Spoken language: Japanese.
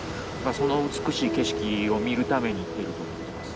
その美しい景色を見るために行ってると思ってます。